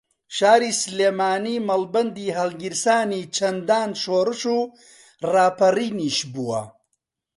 شاری سلێمانی مەڵبەندی ھەڵگیرسانی چەندان شۆڕش و ڕاپەڕینیش بووە